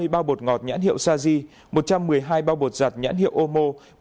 một trăm ba mươi bao bột ngọt nhãn hiệu saji một trăm một mươi hai bao bột giặt nhãn hiệu ômô